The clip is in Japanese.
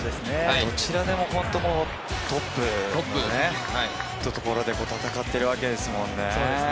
どちらでも本当トップというところで戦っているわけですもんね。